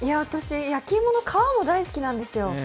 私、焼き芋の皮も大好きなんですよ。